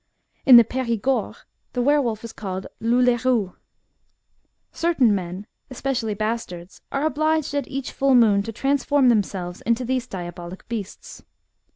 In the Perigord, the were wolf is called louleerou. . Certain men, especially bastards, are obliged at each full moon to transform themselves into these diabolic beasts.